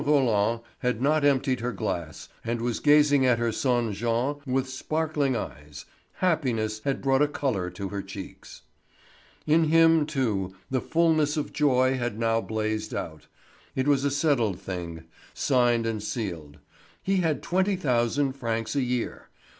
Roland had not emptied her glass and was gazing at her son Jean with sparkling eyes; happiness had brought a colour to her cheeks. In him, too, the fulness of joy had now blazed out. It was a settled thing, signed and sealed; he had twenty thousand francs a year.